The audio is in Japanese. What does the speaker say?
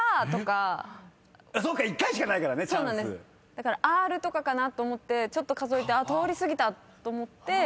だからＲとかかなと思って数えて通り過ぎたと思って。